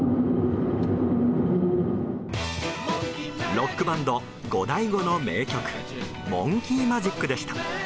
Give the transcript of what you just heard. ロックバンド、ゴダイゴの名曲「モンキー・マジック」でした。